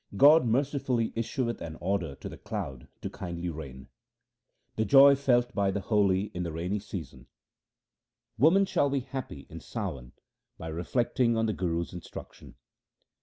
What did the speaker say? God mercifully issueth an order to the cloud to kindly rain. 2 The joy felt by the holy in the rainy season :— Woman shall be happy in Sawan by reflecting on the Guru's instruction.